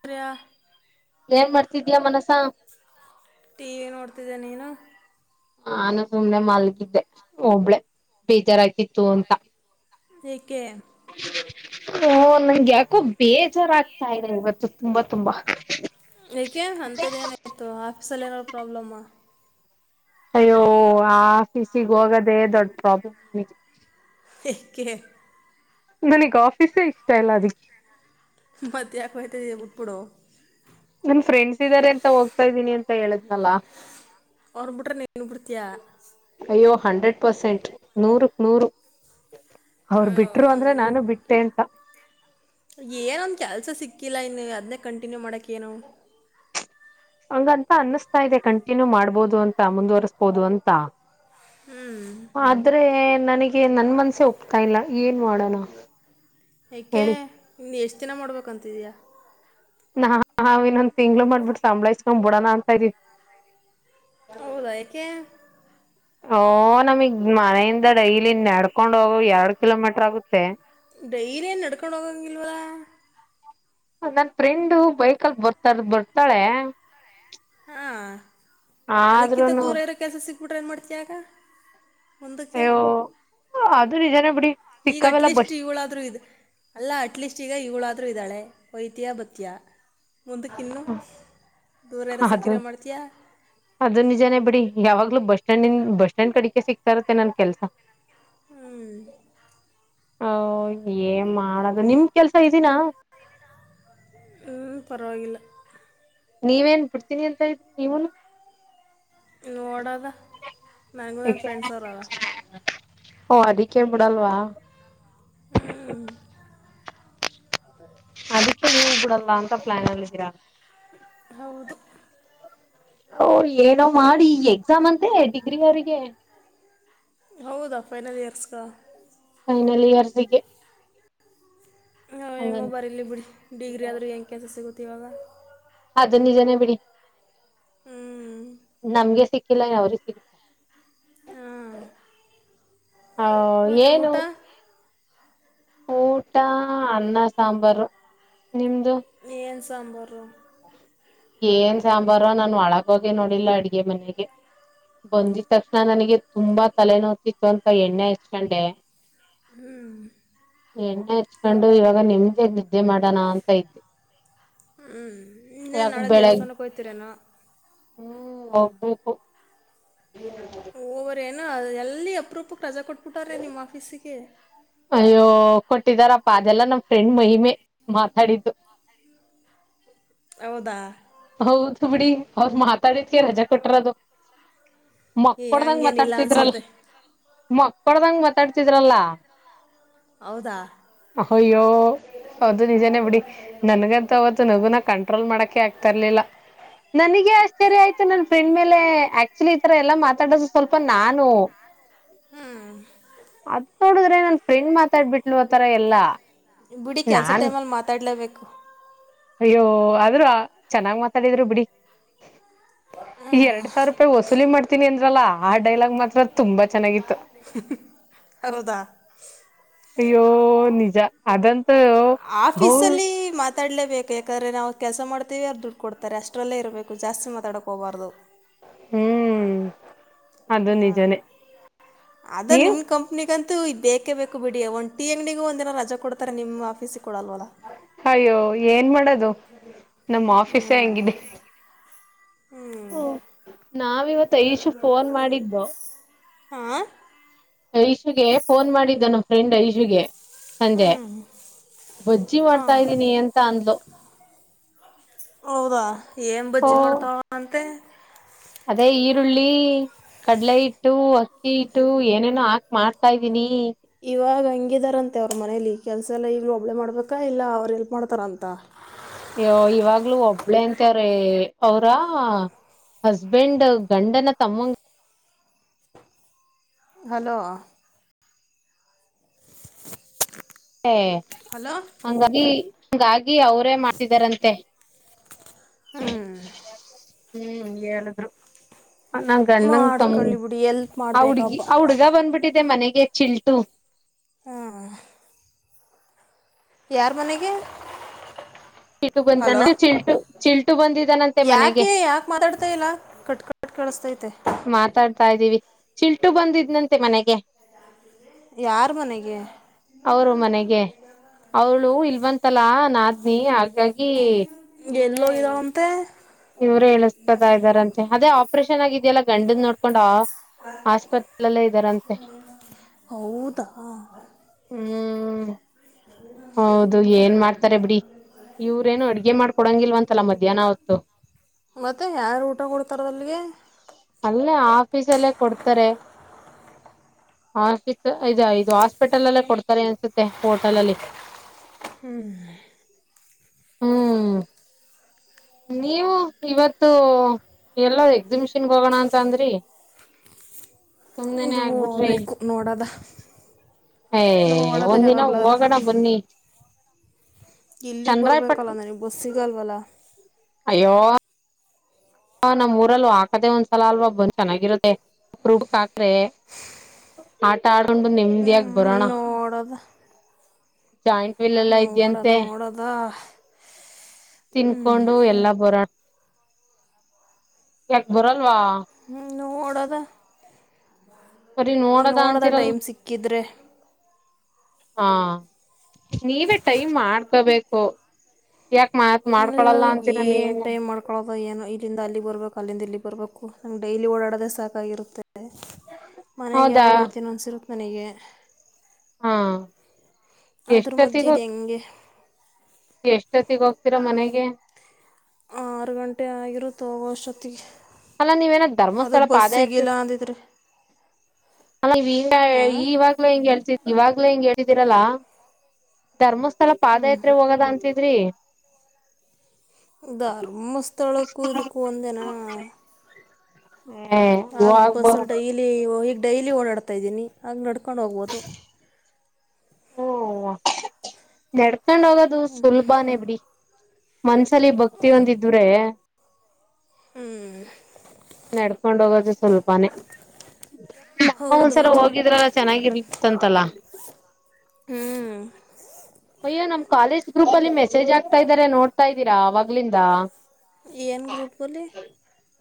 ತ್ರೇಯ ಏನ್ ಮಾಡ್ತಿದ್ಯಾ Manasa T V ನೋಡ್ತಿದ್ದೆ ನೀನು ನಾನು ಸುಮ್ನೆ ಮಲ್ಗಿದ್ದೆ ಒಬ್ಬಳೆ ಬೇಜಾರಯ್ತಿತ್ತು ಅಂತ ಏಕೆ ಹೋ ನಂಗೆ ಯಾಕೋ ಬೇಜಾರಾಗ್ತಾ ಇದೆ ಇವತ್ತು ತುಂಬಾ ತುಂಬಾ ಏಕೆ ಅಂತದ ಏನಾಯ್ತು ಪ್ಸಲ್ಲೇನಾರ್ ಪ್ರಾಬ್ಲಮ್ ಅಯ್ಯೋ ಆ ಆಫೀಸಿಗೆ ಹೋಗದೆೇ ದೊಡ್ಡ ಪ್ರಾಬ್ಲಮ್ ಕ್ಕೆೆ ನನಗ್ ಆಫೀಸೇ ಇಷ್ಟ ಇಲ್ಲ ಅದಕ್ಕೆ ಮತ್ ಯಾಕ್ ಹೊತ್ತಿಯ ಬಟ್ಬುಡು ನನ್ ಫ್ರೆಂಡ್ಸ್ ಇದ್ದಾರೆ ಅಂತ ಹೋಗ್ತಾ ಇದ್ದೀನಿ ಅಂತ ಹೇಳುದ್ನಲ್ ಅವ್ರ ಬಿಟ್ರೆ ನೀನು ಬಿಡ್ತಿಯ ಅಯ್ಯೋ ಹಂಡ್ರೆಡ್ ಪರ್ಸೆಂಟ್ ನೂರು ನೂರು ಅವರು ಬಿಟ್ರು ಅಂದ್ರೆ ನಾನು ಬಿಟ್ಟೆ ಅಂತ ಹಾಕ್ಕಿಲ್ಲ ಇನ್ನು ಅದನ್ನೇ ಕಂಟಿನ್ಯೂ ಮಾಡಕ್ಕ ಏನು ಹಂಗಂತ ಅನಿಸ್ತಾ ಇದೆ ಕಂಟಿನ್ಯೂ ಮಾಡ್ಬೋದು ಅಂತ ಮುಂದುವರ್ಸ್ಬೋದು ಅಂತ ಹ್ಞೂ ಆದ್ರೆ ನನಗೆ ನನ್ ಮನ್ಸೆ ಒಪ್ಟೆಲ್ಲಾ ಇಲ್ಲ ಏನ್ ಮಾಡೋಣ ಏಕೆ ಹೇಳಿ ಇ ಎಷ್ಟ ಯಚನ ಮಾಡ್ಬೇಕಂತಿದೀಯಾ ನಾ ಹ ಇನ್ನೊಂದ್ ತಿಂಗ್ಳ ಮಾಡ್ಬಿಟ್ಟು ಸಂಬಳಾಯಸ್ಕೊಂಡ್ ಬಿಡೋಣ ಅಂತ ಇದ ಹೌದಾ ಯಏಕೆ ಓ ನಮಗ್ ಮನೆಯಿಂದ ಡೈಲಿ ನೆಡ್ಕೊಂಡ್ ಹೋಗ ಎರಡ್ ಕಿಲೋಮೀಟರ್ ಆಗುತ್ತ ಡೈರಿನ್ ಎಡ್ಕೊಂಡ ಹೋಗಂಗಿಲ್ಲವ ನನ್ ಫ್ರೆಂಡು ಬೈಕಲ್ಲಿ ಬರ್ತಾರ ಬರ್ತಾಳೆ ಹಾ ಅದಕ್ಕಿಂತ ಆದ್ರೂನು ದೂರ ಇರೋ ಕೆಲಸ ಸಿಕ್ತ ಊಟ್ರ ನು ಮಾಡ್ತೀಯಾಗ ಅಯ್ಯೋ ಅದು ನಿಜನ ಬಿುಡಿ ಈಗ ಅಟ್ಲೀಸ್ಟ್ ಇವಳಾದ್ರೂ ಇದೆ ಅಲ್ಲ ಅಟ್ಲೀಸ್ಟ್ ಈಗ ಇವಳ ಮಾೂ ಇದ್ದಾಳೆ ವೈದ್ಯಾಭತ್ಯ ಮುಂದಕ್ಕಿನ್ನು ದೂರೆ ರಸ ಅದು ಕೀರೆ ಮಾಡ್ತಿಯ ಅದು ನಿಜಾನೇ ಬಿಡಿ ಯಾವಾಗ್ಲೂ ಬಸ್ ಸ್ಟ್ಯಾಂಡ ಬಸ್ ಸ್ಟ್ಯಾಂಡ್ ಕಡಿಕೆ ಸಿಗ್ತಾ ಇತ್ತೆ ನನ್ ಕೆಲಸ ಹ್ಞೂ ಹ ಏನ್ ಮಾಡದು ನಿಮ ಕೆಲ್ಸ ಈಜಿ ನಾ ಹ್ಞೂ ಪರವಾಗಿಲ್ಲ ನೀವೇನ್ ಬಿಡ್ತೀನಿ ಅಂತ ಇದ್ರಿ ನೀವನು ನೋಡದ ನನಗ ನನ್ನ ಫ್ರೆಂಡ್ಸ್ ಅವರದ ಓ ಅದಕ್ಕೆೇ ಬಿಡಲ್ವಾ ಹ್ಮ್ ಅದಕ್ಕೆ ನೀ ಬಿಡಲ್ಲ ಅಂತ ಪ್ಲಾನ್ ಅಲ್ಲಿದ್ದೀರಾ ಹೌದು ಓ ಏನೋ ಮಾಡಿ ಈ ಎಕ್ಸಾಮ್ ಅಂತೆ ಡಿಗ್ರಿ ಅವರಿಗೆ ಹೌದಾ ಫೈನಲ್ ಇಯರ್ಸ್ಗ ಫೈನಲ್ ಇಯರ್ಸಿಗೆ ಆಯೋ ಹೆಂಗೋ ಹಂಗಂತ ಬರಲಿ ಬಿಡಿ ಡಿಗ್ರಿ ಆದರೂ ಹೆಗೆ ಕೆಲಸ ಸಿಗುತ್ತೆ ಇವಾಗ ಹದ ನಿಜನ ಬಿಡಿ ಹ್ಞೂ ನಮ್ಗೆ ಸಿ ಕೆಲ್ಲ ಅವ್ರಿಗೆ ಸಿಗುತ್ತಾ ಹ್ಮ ಆ ಮತ್ತೆ ಊಟ ಊಟಾ ಅ್ಣಾ ಸಾಂಬಾರು ನಿಮ್ದು ಮಏನ್ ಸಾಂಬಾರ ಏನ್ ಸಾಂಬಾರು ನಾನು ಒಳಗೋಗೆ ನೋಡಿಲ್ಲ ಅಡ್ಗೆ ಮನೆಗೆ ಬಂದಿದ ತಕ್ಷಣ ನನಗೆ ತುಂಬಾ ತಲೆನೋತಿತ್ತು ಅಂತ ಎಣ್ಣೆ ಎಚ್ಕೊಂಡೆ ಹ್ಞೂ ಎ್ಣ ಚ್ಕೊಂಡು ಇವಾಗ ನಿಮ್ದೆ ನಿದ್ದೆ ಮಾಡೋಣ ಅಂತ ಇದ್ದೆ ಹ್ಞೂ ಇನ್ನೇ ಯಾಕ ನಾಳೆ ಬೆಳಗ್ ದೇವಸ್ಥಾನಕ್ಕೆ ಹೋಗ್ತೀರೇನೋ ಹ್ಮ್ ಹಬೇಕೇಕು ಓವೇಏನು ಅದು ಎಲ್ಲಿ ಅಪ್ರೂಪ ರಜಾ ಕೊಟ್ಬಿಟ್ಟಾರ್ರೆ ನಿಮ್ಮ ಆಫೀಸಿಗೆ ಕೊಟ್ಟಿದಾರಪ್ಪ ಅದೆಲ್ಲ ನಮ್ ಫ್ರೆಂಡ್ ಮಹಿಮೆ ಮಾತಾಡಿದ್ದು ಹೌದಾ ಹೌದು ಬಿಡಿ ಅವರು ಮಾತಾಡಿದಕ್ಕೆ ರಜೆ ಕೊಟ್ರದು ಏ ಮಕ್ಕಡ್ದಂಗ ಹಂಗೇನಿಲ್ಲ ಮಾತಾಡ್ತಿದ್ರಲ್ ಅನಿಸುತ್ತೆ ಮಕ್ಕಳದಂಗ ಮಾತಾಡ್ತಿದ್ರಲ್ಲ ಹೌದಾ ಅಯ್ಯೋ ಅದು ನಿಜಾನೇ ಬಿಡಿ ನನ್ಗಂತ ಅವತ್ತು ನಗುನ ಕಂಟ್ರೋಲ್ ಮಾಡಕೆ ಆಕ್ತ ತರಲಿಲ್ಲ ನನಗೆ ಆಶ್ರ್ಯಯತು ನನ್ ಫ್ರೆಲೆ ಲೆ ಆಕ್ಚುಲಿ ಈ ತರ ಎಲ್ಲಾ ಮಾತಾಡದು ಸ್ವಲ್ಪ ನಾನು ಹ್ಞೂ ಅದ್ ನೋಡಿದ್ರೆ ನನ್ ಫ್ರೆಂಡ್ ಮಾತಾಡ್ಬಿಟ್ಲು ಒತರ ಎಲ್ಲಾ ಬಿಡಿ ಕೆಲಸ ನಾನ್ ಟೈಮ ಅಲ್ಲಿ ಮಾತಾಡ್ಲಬೇಕ್ಯಕ್ತಿ [inaudible] ಅಯ್ಯೋ ಆದ್ರೂ ಚೆನ್ನಾಗ್ ಮಾತಾಡಿದ್ರು ಬಿಡಿ ಎರಡ್ ಸಾವಿರ ರೂಪಾಯಿ ವಸೂಲಿ ಮಾಡ್ತೀನಿ ಅಂದ್ರಲ್ಲ ಆ ಡೈಲಾಗ್ ಮಾತ್ರ ತುಂಬಾ ಚೆನ್ನಾಗಿತ್ತು ರದ ಅಯ್ಯೋ ನಿಜ ಅದಂತ ಆಫೀಸ ಅಲ್ಲಿ ಮತ್ತ ಮಾತಾಡ್ಲೇಬೇಕು ಯಾಕಂದ್ರೆ ನಾವು ಕೆಲಸ ಮಾಡ್ತೀವಿ ಅವ್ರು ದುಡ್ಡು ಕೊಡ್ತಾರೆ ಅಷ್ಟ್ರಲ್ಲೇ ಇರಬೇಕು ಜಾಸ್ತಿ ಮಾತಾಡಕ್ ಹೋಗಬಾರ್ದು ಹ್ಮ್ ಅದು ಹ್ಮ ನಿಜಾನೇ ಅದ ನೀವು ನಿಮ್ ಕಂಪನಿಗಂತ ದು ಬೇಕೇ ಬೇಕು ಬಿಡಿ ಒ್ ಟಿ ಅಂಗಿಗ ಒಂದ ದಿನ ರಜಾ ಕೊಡ್ತಾರೆ ನಿಮ್ಮ ಆಫೀಸ್ ಅಯ್ಯೋ ಏನ್ ಮಾಡೋದು ಹ್ಮ ನಮ್ಮ ಆಫೀಸ ಹ್ಞೂ ಹೆಂಗಿದೆ ಹ್ಞೂ ಹ್ಮ್ ನಾವಿವತ್ತು ಐಶು ಫೋನ್ ಮಾಡಿದ್ದು ಆ ಐಶುಗೆ ಫೋನ್ ಮಾಡಿದ್ದ ನ ಫ್ರೆಂಡ್ ಐಶುಗೆ ಸಂಜೆ ಹ್ಞೂ ಬಜ್ಜಿ ಮಾಡ್ತಾ ಹಾಂ ಇದ್ದೀನಿ ಎಂತ ಅಂದ್ಲು ಹೌದಾ ಏನ್ ಓ ಬಜ್ಜಿ ಮಾಡ್ತಾವಾವ ಅಂತೆ ಅದೇ ಈರುಳ್ಳಿ ಕಡಲೆ ಇಿಟ್ಟು ಅಕ್ಕಿ ಇಟ್ಟು ಏನೇನೋ ಹಾಕ್ ಮಾಡ್ತಾ ಇದ್ದೀನಿ ಇವಾಗ ಹಂಗಿದಾರಂತೆ ಅವ್ರ ಮನೇಲಿ ಕೆಲ್ಸ ಎಲ್ಲ ಈಗ್ಲೂ ಒಬ್ಳೆ ಮಾಡ್ಬೇಕಾ ಇಲ್ಲ ಅವರು ಎಲ್ಪ್ ಮಾಡ್ತಾರ ಅಂತ ಅಯ್ಯೋ ಇವಾಗ್ಲುೂ ಒಬ್ಳೇ ಅಂತವ್ರೀ ಅವ್ರ ಹಸ್ಬೆಂಡ್ ಗಂಡನ ತಮ್ಮಂಗ ಹಲೋ ಹ ಹಲೋ ಅಂಗಂಗಾಗಿ ಹ ಅವರೇ ಮಾಡ್ತಿದಾರಂತೆ ಹ ಹ್ಮ್ ಹೇಳಿದ್ರು ನ ಗಂಡಂಗ ಮಾಡ್ಕೊಳ್ಳಿ ಬಿಡಿ ಎಲ್ಪ್ ತ ಹುಡ್ಗಿ ಮಾಡಬೇಕಪ್ಪ ಹುಡ್ಗ ಬಂದ್ಬಿಟ್ಟಿ ಮನೆಗೆ ಚಿಲ್ಟು ಹಾ ಯಾರ ಮನೆಗೆ ಚಿಟು ಬಂದ ಹಲೋ ಚಿಲ್ಟು ಚಿಲ್ಟು ಬಂದಿದ್ದಾನಂತೆ ಮನೆಗೆ ಯಾಕೆ ಯಾಕೆ ಮಾತಾಡ್ತಾ ಇಲ್ಲ ಕಟ್ ಕಟ್ ಕೇಳಿಸ್ತೈತೆ ಮಾತಾಡ್ತಾ ಇದ್ದೀವಿ ಚಿಲ್ಟು ಬಂದಿದ್ನಂತೆ ಮನೆಗೆ ಯಾರ ಮನೆಗೆ ಅವರು ಮನೆಗೆ ಅವರು ಇಲ್ವಂತಲ್ಲ ನಾದ್ನಿ ಹಾಗಾಗಿ ಎಲ್ಲೋೋಗರ ಅಂತೆ ಇವರು ಎ ಹೇಳಿಸಸ್ಕೊತಾ ಇದಾರಂತೆ ಅದೇ ಆಪರೇಷನ್ ಆಗಿದೆಯಲ್ಲ ಗಂಡದ್ ನೋಡ್ಕೊಂಡ ದಾ ಹ್ಮ್ ಹೌದು ಏನ್ ಮಾಡ್ತಾರೆ ಬಿಡಿ ಇವ್ರೇನು ಅಡ್ಗೆ ಮಾಡ್ಕೊಡಂಗಿಲ್ವಂತಲ್ಲ ಮಧ್ಯಾಹ್ನ ಹ ಮತ್ತೆ ಯಾರು ಊಟ ಕೊಡ್ತಾರ ಅಲ್ಲಿಗೆ ಅಲ್ಲೇ ಆಫೀಸ್ಲ್ಲೇ ಕೊಡ್ತಾರೆ ಆಫೀಸ್ ಇದು ಇದು ಹಾಸ್ಪಿಟಲ್ ಅಲ್ಲೇ ಕೊಡ್ತಾರೆ ಅನ್ಸುತ್ತೆ ಹೋಟೆಲ್ ಅಲ್ಲಿ ಹ್ಮ್ ಹ್ಮ್ ಹ್ಮ ನೀವು ಇವತ್ತು ಎಲ್ಲೋ ಎಕ್ಸಿಬಿಷನ್ಗೆ ಹೋಗೋಣ ಅಂತ ಅಂದ್ರಿ ಸುಮ್ನೆ ಆಗ ಹೋಗಬೇಕು ನೋಡದ ನೋಡೋದ ಏ ನೋಡೋದ ಒಂದಿನ ಯಾವಾಗ್ಲಾರು ಹೋಗೋಣ ಬನ್ನಿ ಇಲ್ಲಿಗೆ ಚಂದ್ರಾಯಪಟ್ ಬರ್ಬೇಕಲ್ಲ ನನಗೆ ಬಸ್ ಸಿಗಲ್ವಲ್ಲ ಅಯ್ಯೋ ಹ ನಮ್ ಊರಲ್ಲಿ ಹಾಕದೆೇ ಒಂದ್ಸಲ ಅಲ್ವಾ ಬಂದ್ ಚೆನ್ನಾಗಿರೋದೆ ಅಪರುಬ್ಕ್ ಹಾಕ್ರೆ ಆಟ ಆಡೊಂಡ್್ ನಿಮದಿಯಾಗ ಬರೋಣ ಮಡದ ಜಾಯಿಂಟ್ ವಿಲ್ ಎಲ್ಲ ನೋಡೋದ ನೋಡೋದ ತಿನ್ಕೊಂಡು ಎಲ್ಲಾ ಬರಣ ಯಾಕ ಬರಲ್ವಾ ಮೂಡದ ಬರಿ ನೋಡ ನೋಡದ ಟೈಮ್ ಸಿಕ್ಕಿದರೆೆ ಹಾ ನೀವೇ ಟೈಮ್ ಮಾಡ್ಕೋಬೇಕು ಯಾಕ ಮಾತ್ ಮಾಡ್ಕೊಳಲ್ಲ ಅಂತ ಏನ್ ಟೈಮ್ ಮಾಡ್ಕೋದ ಏನೋ ಇಲ್ಲಿಂದ ಅಲ್ಲಿ ಬರ್ಬೇಕು ಕಲ್ಲಿಂದ ಇಲ್ಲಿ ಬರಬೇಕು ನಮ್ ಡೈಲಿ ಓಡಾಡದೇ ಸಾಕಾಗಿರುತ್ತೆ ಮನೆಗೆ ಹೌದಾ ಯಾವಾಗ ಹಯ್ತೀನೋ ಅನ್ಸಿರು ಮನೆಗೆ ಹಾ ಅದ್ರ ಮಧ್ಯೆ ಎಷ್ಟೊತ್ತಿಗ ಇದು ಹೆಂಗೆ ಎಷ್ಟೊತ್ತಗ ಹೋಗ್ತೀರಾ ಮನೆಗೆ ಆರು ಗಂಟೆ ಆಗಿರುತ್ತೆ ಒಷೊತಿ ಅಲ್ಲ ನೀವೇನ ಧರ್ಮಸ್ಥಳ ಪಾದಯತ್ ಅಂದಿದ್ರೆ ಅ ಹಾಂ ಇವಾಗ್ಲ ಹಿಂಗ ಹೇಳ್ಸಿದ ಇವಾಗ್ಲ ಹೆಂಗ್ ಹೇಳಿದೀರಲ್ಲ ಧರ್ಮಸ್ ಸ್ವಲ್ಪ ಹ್ಞೂ ಪಾದಯಾತ್ರೆ ಹೋಗದ ಅಂತಿದ್ರಿ ಧಾರಮ ಸ್ಥಳಕ್ಕೂ ಇದಕ್ಕೂ ಒಂದೇನಾ ಏ ಆ ಬ ಹೋಗ್ಬ ಸ್ಲ್ಟ ಇಲ್ಲಿಗ್ ಡೈಲಿ ಓಡಾಡ್ತಾಯ ಇದ್ದೀನಿ ಆಗ ನಡ್ಕೊಂಡು ಹೋಗ್ಬೋದು ಓಡ್ ಕಂಡು ಹೋಗೋದು ಸುಲಭಾನೇ ಬಿಡಿ ಮನ್ಸ ಲಿ ಭಕ್ತಿ ಒಂದಿದ್ರೆ ಹ್ಞೂ ನಡ್ಕೊಂಡ ಹೋಗೋದು ಸ್ವಲ್ಪಾನೇ ನಮ್ಮ ಒಂದ್ಸಲ ಹೌದೌದು ಹೋಗಿದ್ರಲ್ಲ ಚೆನ್ನಾಗಿರ್ಲಿತ್ತಂತಲ್ಲ ಹ್ಞೂ ಹ ಅಯ್ಯೋ ನಮ್ ಕಾಲೇಜ್ ಗ್ರೂಪ್ ಅಲ್ಲಿ ಮೆಸೇಜ್ ಆಗ್ತಾ ಇದ್ದಾರೆ ನೋಡ್ತಾ ಇದ್ದೀರಾ ಅವಾಗ್ಲಿಂದ ಎನ್ ಗ್ರೂಪ್ ಬ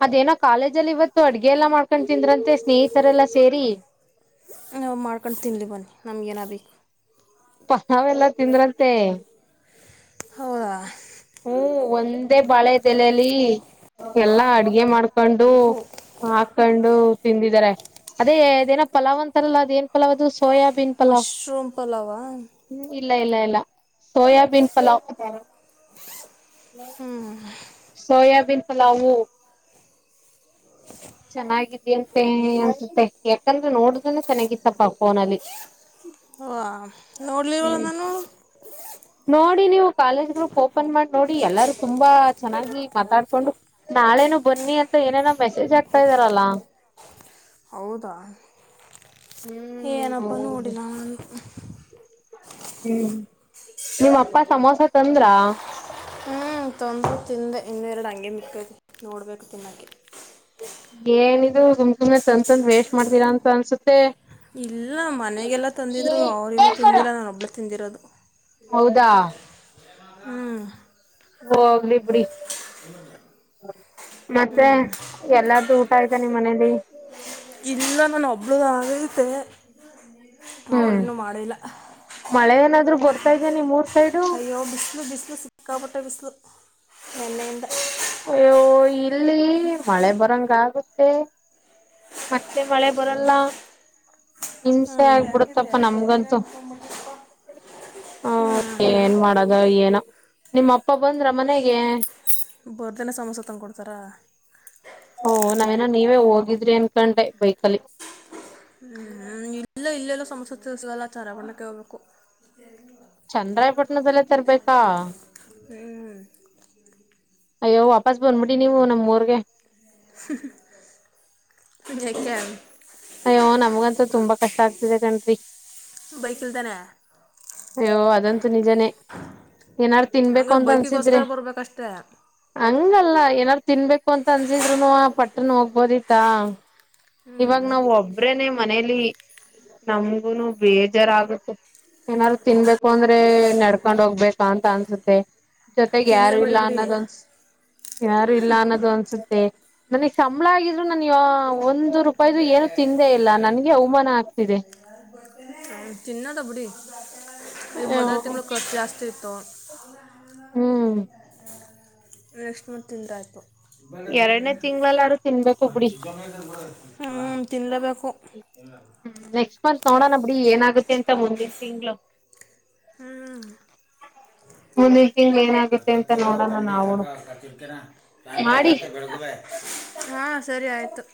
ಅದೇನೋ ಕಾಲೇಜಲ್ಲಿ ಇವತ್ತು ಅಡ್ಗೆ ಎಲ್ಲ ಮಾಡಕೊಂಡು ತಿಂದ್ರ ನಾವು ಮಾಡ್ಕೊಂಡು ತಿನ್ಲಿ ಬನ್ನಿ ನಮ್ಗೇನ ಬೇಕು ಪ ನಾವೆಲ್ಲಾ ತಿಂದ್ರಂತೆ ಹೌ ಹ್ಮ್ ಒಂದೇ ಬಾಳೆ ತಲಲಿ ಎಲ್ಲಾ ಅಡ್ಗೆ ಮಾಡ್ಕ ಹಾಕೊಂಡು ಹೋ ಹಾಕೊಂಡು ತಿಂದಿದ್ದಾರೆ ಅದೇ ೇನ ಪಲಾವ್ಂತಾರಲ್ಲ ಅದ ಏನ್ ಪಲಾವ ಅದು ಸೋಯಾಬೀನ್ ಪಲಾವ್ ಮಶ್ರೂಮ ಪುಲಾವ ಹ್ಮ್ ಇಲ್ಲ ಇಲ್ಲ ಇಲ್ಲ ಸೋಯಾಬೀನ್ ಪಲಾವ್ ಹ್ಮ್ ಸೋಯಾಬೀನ್ ಪಲವುವು ಚೆನ್ನಾಗಿದ ಅಂತೆ ಅನ್ಸುತ್ತೆ ಯಾಕಂದ್ರೆ ನೋಡುದನ ಚೆನ್ನಾಗಿತ್ತಪ್ಪಾ ಫೋನಲ್ಲಿ ನೋಡ್ಲಿವ ನಾನು ನೋಡಿ ನೀವು ಕಾಲೇಜ್ ಓಪನ್ ಮಾಡಿ ನೋಡಿ ಎಲ್ಲಾರು ತುಂಬಾ ಚೆನ್ನಾಗಿ ಮಾತಾಡ್ಕೊಂಡು ನಾಳೆನು ಬನ್ನಿ ಅಂತ ಏನೇನೋ ಮೆಸೇಜ್ ಆಗ್ತಾ ಇದಿದಾರಲ್ಲಾ ಹೌದಾ ಹ್ಮ್ ಏನಪ್ಪ ಹೌದು ಓಡಿಿನಾ ಹ್ಮ್ ನಿಮ್ಮ ಅಪ್ಪ ಸಮೋಸ ತಂದ್ರ ಹ್ಞೂ ತೊಂದರೆ ತಿಂದೆ ಇನ್ನೆ ಎರಡು ಹಂಗೆ ಮಿಕ್ಕೈತಿ ನೋಡ್ಬೇಕು ತಿನ್ನೋಕ್ಕೆ ಏನಿದು ಗುಮ್ ಸುಮ್ನೆ ಸಂದ್ ಸಂದ್ ವೇಸ್ಟ್ ಮಾಡ್್ದೀರಾ ಅಂತ ಅನ್ಸುತ್ತೆ ಇಲ್ಲ ಮನೆಗೆಲ್ಲ ತಂದಿದರು ಅವ್ರನುೂ ತಿಂದಿಲ್ಲ ನಾನುೊಬ್ಬಳು ತಿಂದಿರೋದು ಹೌದಾ ಹ್ಞೂ ಹೋಗ್ರಿ ಬಿಡಿ ಹದ ಮತ್ತೆ ಎಲ್ಲಾರ್ದು ಊಟ ಆಯ್ತಾ ನಿ್ ಮನೇಲಿ ಇಲ್ಲ ನಾನು ಒಬ್ಳದಗೈತೆೆ ಅವ್ರನ್ನು ಮಾಡಿಲ್ಲ ನಾದ್ರು ಗರ್ತಾ್ದೇ ನೀ ಮೂರ್ ಅಯ್ಯೋ ಬಿಸಲು ಬಿಸಲು ಸಿಕ್ಕಪಟ್ಟೆ ಬಿಸಲು ಎನ್ನಂತ ಅಯ್ಯೋ ಇಲ್ಲಿ ಮಳೆ ಬರಂಗಗುತ್ತೆ ಮತ್ತೆ ಮಳೆ ಬರಲ್ಲ ಹಿಂಸೆ ಆಗ್ಬಿಡುತ್ತಪ್ಪ ನಮ್ಗಂತೂ ಜ ಹ ಏನ್ ಮಾಡದ ಏನ ನಿಮ್ಮ ಅಪ್ಪ ಬಂದ್ರ ಮನೆಗೆ ಬರ್ದನ ಸಮೋಸ ತಂದುಕೊಡ್ತಾರಾ ಓ ನಾವೇನ ನೀವೇ ಹೋಗಿದ್ರಿ ಅನ್ಕೊಂಡೆ ಬೈಕಲ್ಲಿ ಹ್ಮ್ ಇಲ್ಲ ಇಲ್ಲಲ್ಲ ಸಮಸೆ ತಿಸಗಲ್ಲ ಆಚಾರಗೊಂಡಕ್ಕೆ ಹೋಗ್ಬೇಕು ಚಂದ್ರಾಯಪಟ್ಟಣದಲ್ಲೇ ತರ್ಬೇಕಾ ಹ್ಞೂ ಅಯ್ಯೋ ಬಸ್ ಬಂದಬಿಡಿ ನೀವು ನಮ್ಮೂರ್ಗೆ ಎಮ ಅಯ್ಯೋ ನಮಗಂತ ತುಂಬಾ ಕಷ್ಟ ಆಗ್ತಿದೆ ಕನ್ರಿ ಬೈಕಲ್ದಾನೆ ಅಯ್ಯೋ ಅದಂತೂ ನಿಜಾನೇ ಏನಾರು ತಿನ್ಬೇಕು ಹಂಗೆ ಅಂತ ಅನ್ಸಿದ್ರೆ ಬೈಕಿಗೋಸ್ಕರ ಬರ್ಬೇಕಷ್ಟೇ ಹಂಗಲ್ಲ ಏನಾರು ತಿನ್ಬೇಕು ಅಂತ ಅನ್ಸಿದ್ರುನು ಪಟ್ಟ್ರನ ಹೋಗಬೋದಿತ್ತಾ ಹ್ಞೂ ಇವಾಗ ನಾವ ಒಬ್ರೇನೆೇ ಮನೇಲಿ ನಮ್ಗುನು ಬೇಜಾರಾಗುತ್ತೆ ಏನಾರರು ತಿನ್ಬೇಕು ಅಂದ್ರೆ ನಡ್ಕೊಂಡ್ ಹೋಗ್ಬೇಕಾ ಅಂತ ಅನ್ಸುತ್ತೆ ಜೊತೆಗೆ ಯಾರು ತಿನ್ನಲೇಬೇಡಿ ಇಲ್ಲ ಬಿಡಿ ಅನ್ನೋದ ಅನ್ಸ ಯಾರು ಇಲ್ಲ ಅನ್ನೋದು ಅನ್ಸುತ್ತೆ ನನಗ್ ಸಂಬಳ ಆಗಿದ್ರು ನನ್ ಯ ಒಂದ ರೂಪಾಯ್ದು ಏನು ತಿಂದೇ ಇಲ್ಲ ನನ್ಗೆ ಅವಮಾನ ಆಗ್ತಿದೆ ಚಿನ್ನ ಬ್ಬಡಿ ಈ ಮೊದನೇ ತಿಂಗ್ಳ ಖರ್ಚು ಜಾಸ್ತಿ ಇತ್ತು ಹೌದ ಹ್ಮ್ ನೆಕ್ಸ್ಟ್ ಮತ್ತುೆ ತಿಂದಾಯಯ್ತು ಎರಡನೇ ತಿಂಗಳಲ್ಲಾರು ತಿನ್ಬೇಕು ಬಿಡಿ ಹ ತಿಿಂದಲ್ಲ ಬೆ ಕೋಗ ಸೋಣೋನ ಬಿಡಿ ಏನಾಗುತ್ತೆ ಅಂತ ಮುಂದಿನ ತಿಂಗಗಳು ಹ್ಮ ಹಲಿ ಅಕ್ಕತ್ತು ತಂಡಿ ಅಕ್ಕ ತಿರ್ತರ ಮಾಡಿ ್ಯಾಮ್ರಕತ್ತೆ ಬೆಳಗುವ ಹಾ ಸರಿ ಆಯ್ತು